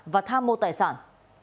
và tham mô tài sản